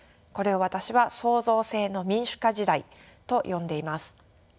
これを私は創造性の民主化時代と呼んでいます。